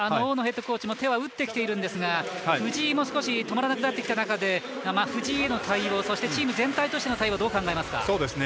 大野ヘッドコーチも手は打ってきているんですが藤井も少し止まらなくなってきた中で藤井への対応チーム全体としての対応どう考えますか？